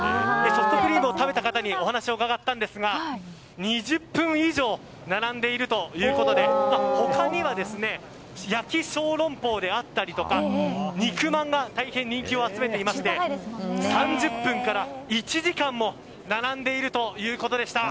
ソフトクリームを食べた方にお話を伺ったんですが２０分以上並んでいるということで他には、焼き小龍包であったり肉まんが大変人気を集めていまして３０分から１時間も並んでいるということでした。